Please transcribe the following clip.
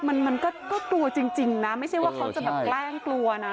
มันมันก็กลัวจริงนะไม่ใช่ว่าเขาจะแบบแกล้งกลัวนะ